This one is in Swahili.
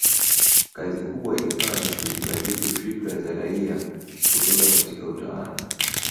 Kazi kubwa ikawa ni kuzibadili fikra za raia kutoka katika utawala